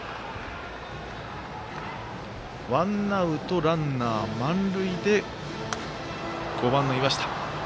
ワンアウト、ランナー、満塁で５番の岩下。